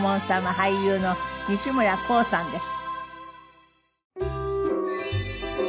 俳優の西村晃さんです。